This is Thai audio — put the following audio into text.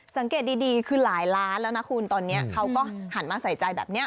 สังเกตดีคือหลายล้านแล้วนะคุณตอนนี้เขาก็หันมาใส่ใจแบบนี้